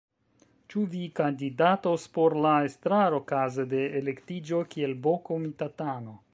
Ĉu vi kandidatos por la estraro, kaze de elektiĝo kiel B-komitatano?